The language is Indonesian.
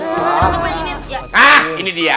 hah ini dia